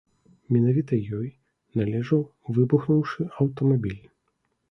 Менавіта ёй належаў выбухнуўшы аўтамабіль.